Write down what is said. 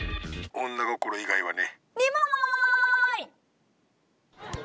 女心以外はね。